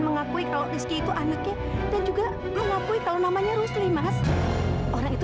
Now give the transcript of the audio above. mengakui kalau rizky itu anaknya dan juga mengakui kalau namanya rusli mas orang itu